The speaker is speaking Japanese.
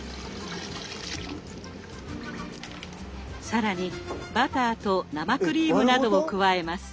更にバターと生クリームなどを加えます。